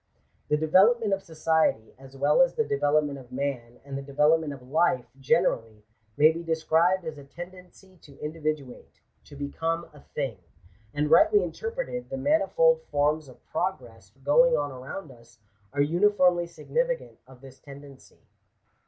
The development of society, as well as the development of man and the develop ment of life generally, may be described as a tendency to in dividuate — to become a thing. And rightly interpreted, the manifold forms of progress going on around us, are uniformly significant of this tendency.